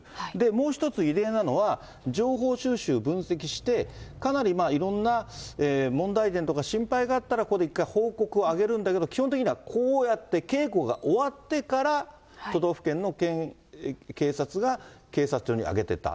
もう１つ異例なのは、情報収集・分析してかなりいろんな問題点とか心配があったら、ここで一回報告を上げるんだけど、基本的にはこうやって警護が終わってから、都道府県の警察が警察庁に上げてた。